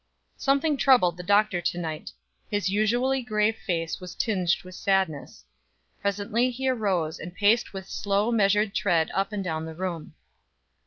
Something troubled the Doctor to night; his usually grave face was tinged with sadness. Presently he arose and paced with slow measured tread up and down the room.